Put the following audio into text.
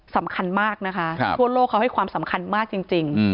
สำคัญมากนะคะทั่วโลกเขาให้ความสำคัญมากจริง